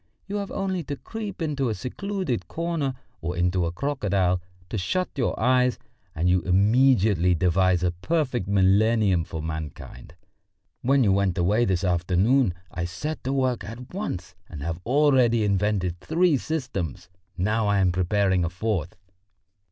You have only to creep into a secluded corner or into a crocodile, to shut your eyes, and you immediately devise a perfect millennium for mankind. When you went away this afternoon I set to work at once and have already invented three systems, now I am preparing the fourth.